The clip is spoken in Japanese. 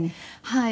はい。